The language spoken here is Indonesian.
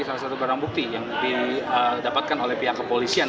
salah satu barang bukti yang didapatkan oleh pihak kepolisian